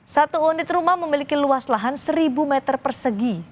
satu unit rumah memiliki luas lahan seribu meter persegi